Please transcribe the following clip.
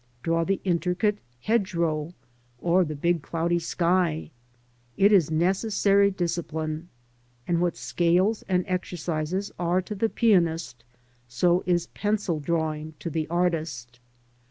Draw the intricate hedgerow, or the big cloudy sky. It is necessary discipline, and what scales and exercises are to the pianist, so is pencil drawing to the artist.